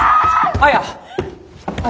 綾。